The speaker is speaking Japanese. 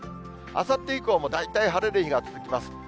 あさって以降も大体晴れる日が続きます。